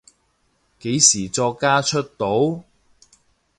幾時作家出道？